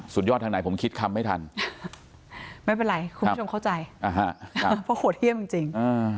สุดยอดทางไหนผมคิดคำไม่ทันไม่เป็นไรคุณผู้ชมเข้าใจเพราะโหดเยี่ยมจริง